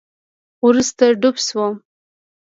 وروسته ډوب شوم